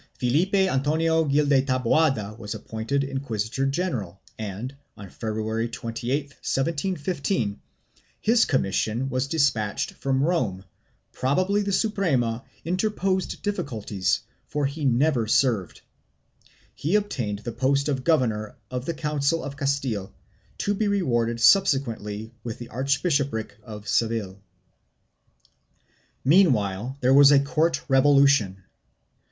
Felipe Antonio Gil de Taboada was appointed inquisitor general and, on February 28, 1715, his commission was despatched from Rome; probably the Suprema interposed difficulties for he never served ; he obtained the post of Governor of the Council of Castile, to be rewarded subsequently with the archbishopric of Seville.1 Meanwhile there was a court revolution.